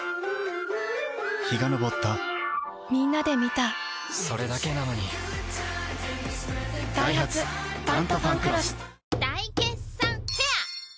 陽が昇ったみんなで観たそれだけなのにダイハツ「タントファンクロス」大決算フェア